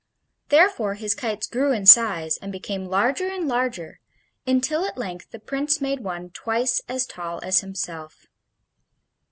Therefore his kites grew in size, and became larger and larger, until at length the Prince made one twice as tall as himself.